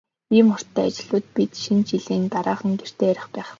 Ийм хурдтай ажиллавал бол бид Шинэ жилийн дараахан гэртээ харих байх.